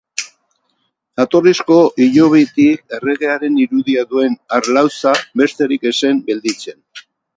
Jatorrizko hilobitik erregearen irudia duen harlauza besterik ez zen gelditzen.